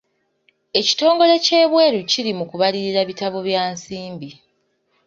Ekitongole ky'ebweru kiri mu kubalirira bitabo bya nsimbi.